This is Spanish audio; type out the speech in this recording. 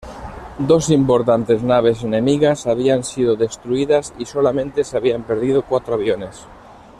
Dos importantes naves enemigas habían sido destruidas y solamente se habían perdido cuatro aviones.